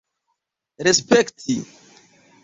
respekti